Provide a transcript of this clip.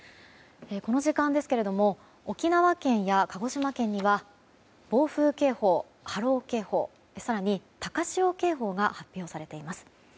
この時間ですけれども沖縄県や鹿児島県には暴風警報、波浪警報、更に高潮警報が発表されています。